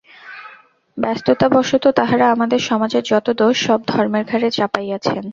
ব্যস্ততাবশত তাঁহারা আমাদের সমাজের যত দোষ, সব ধর্মের ঘাড়ে চাপাইয়াছেন।